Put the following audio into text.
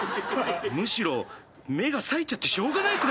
むしろ目がさえちゃってしょうがないくらいだよ。